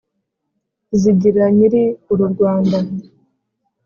zigira nyiri uru rwanda,